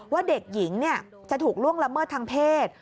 ว่าเด็กหญิงจะถูกล่วงละเมิดทางเพศ